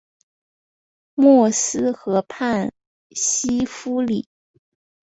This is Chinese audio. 默斯河畔西夫里。